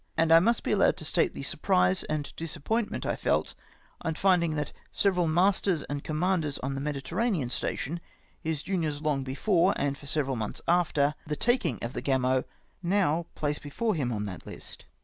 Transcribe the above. And I must be allowed to state the surprise and disappointment I felt on finding several masters and UEGING MY KIGIIT TO PEOMOTION. 141 commanders on the Mediterranean station — his juniors long before, and for several months after, the taking of the Gamo — now placed before him on that list.